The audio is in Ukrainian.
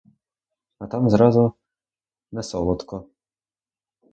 А там зразу несолодко.